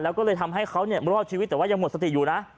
แล้วก็เลยทำให้เขารอดชีวิตแต่ว่ายังหมดสติอยู่นะ